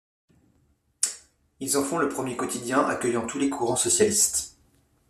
Ils en font le premier quotidien accueillant tous les courants socialistes.